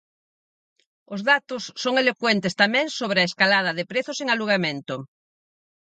Os datos son elocuentes tamén sobre a escalada de prezos en alugamento.